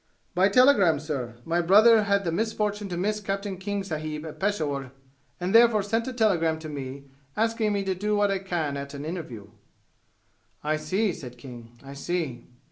"By telegram, sir. My brother had the misfortune to miss Captain King sahib at Peshawur and therefore sent a telegram to me asking me to do what I can at an interview." "I see," said King. "I see."